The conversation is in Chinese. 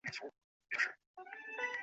姊妹岛联合组成。